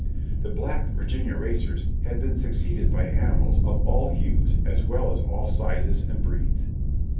The black Virginia racers had been succeeded by animals of all hues as well as all sizes and breeds.